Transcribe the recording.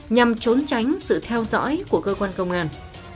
nhằm trốn tránh sự theo dõi của cơ quan công an